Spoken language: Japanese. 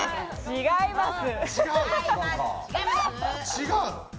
違います。